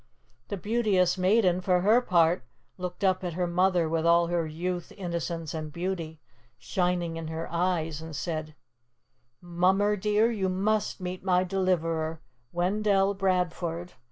The Beauteous Maiden, for her part, looked up at her mother with all her Youth, Innocence, and Beauty shining in her eyes, and said, "Mummer, dear, you must meet my Deliverer, Wendell Bradford.